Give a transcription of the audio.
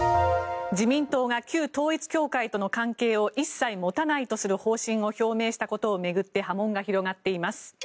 自民党が旧統一教会との関係を一切持たないとする方針を表明したことを巡って波紋が広がっています。